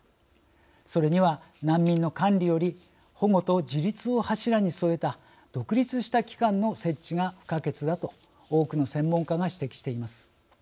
それには難民の管理より保護と自立を柱に据えた独立した機関の設置が不可欠だと多くの専門家が指摘しています。